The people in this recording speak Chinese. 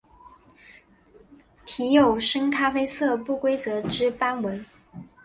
体有深咖啡色不规则之斑纹。